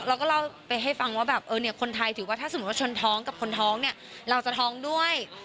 เราก็เล่าไปให้ฟังว่าแบบเออเนี่ยคนไทยถือว่าถ้าสมมุติว่าชนท้องกับคนท้องเนี่ยเราจะท้องด้วย